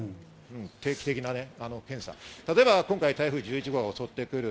定期的な検査、例えば今回、台風１１号が襲ってくる、